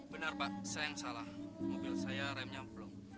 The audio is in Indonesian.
benar pak saya yang salah mobil saya remnya belum